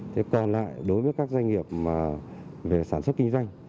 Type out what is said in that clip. thế còn lại đối với các doanh nghiệp về sản xuất kinh doanh